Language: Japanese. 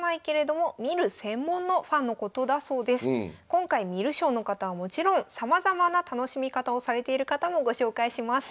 今回観る将の方はもちろんさまざまな楽しみ方をされている方もご紹介します。